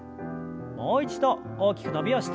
もう一度大きく伸びをして。